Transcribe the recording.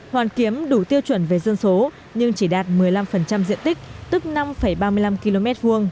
hoàn kiếm đủ tiêu chuẩn về dân số nhưng chỉ đạt một mươi năm diện tích tức năm ba mươi năm km hai